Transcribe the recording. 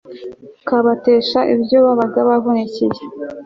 kabatesha ibyo babaga bavunikiye